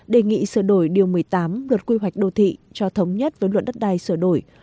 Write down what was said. đề nghị sửa đổi điều một mươi tám luật quy hoạch đô thị cho thống nhất với luật đất đai sửa đổi